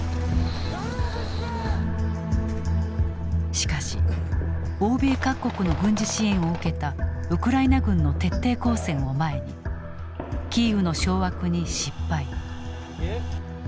しかし欧米各国の軍事支援を受けたウクライナ軍の徹底抗戦を前にキーウの掌握に失敗。